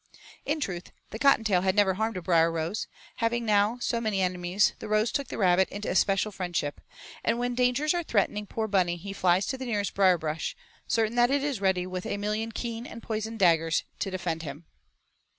In truth the Cottontail had never harmed a Brierrose, and having now so many enemies the Rose took the Rabbit into especial friendship, and when dangers are threatening poor Bunny he flies to the nearest Brierbrush, certain that it is ready with a million keen and poisoned daggers to defend him.